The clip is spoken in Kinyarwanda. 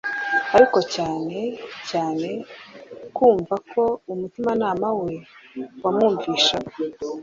ariko cyane cyame kumva ko umutimanama we wamwumvishaga